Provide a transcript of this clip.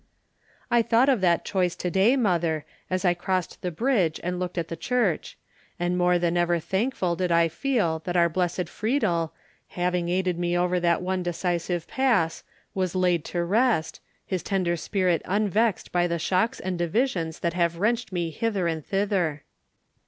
"I thought of that choice to day, mother, as I crossed the bridge and looked at the church; and more than ever thankful did I feel that our blessed Friedel, having aided me over that one decisive pass, was laid to rest, his tender spirit unvexed by the shocks and divisions that have wrenched me hither and thither."